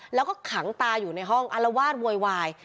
แล้วก็ขังตาอยู่ในห้องอารวาสโวยวาย